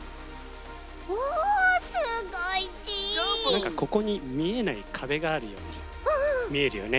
なんかここにみえないかべがあるようにみえるよね。